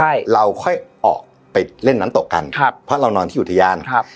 ใช่เราค่อยออกไปเล่นน้ำตกกันครับเพราะเรานอนที่อุทยานครับ